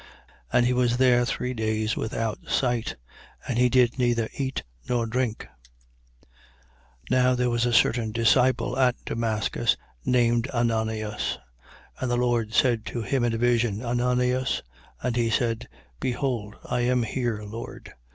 9:9. And he was there three days without sight: and he did neither eat nor drink. 9:10. Now there was a certain disciple at Damascus, named Ananias. And the Lord said to him in a vision: Ananias, And he said: Behold I am here, Lord.